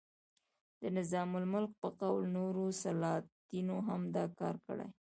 د نظام الملک په قول نورو سلاطینو هم دا کار کړی.